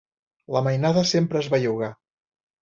La mainada sempre es belluga.